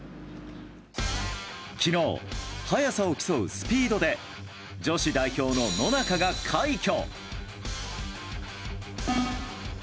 昨日、速さを競うスピードで女子代表の野中が快挙。